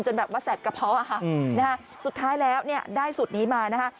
แบบว่าแสบกระเพาะสุดท้ายแล้วเนี่ยได้สูตรนี้มานะคะ